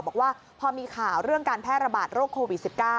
บอกว่าพอมีข่าวเรื่องการแพร่ระบาดโรคโควิด๑๙